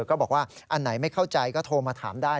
ก็บอกว่าอันไหนไม่เข้าใจก็โทรมาถามได้